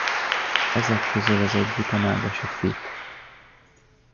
Ezek közül az egyik a Nádasi feat.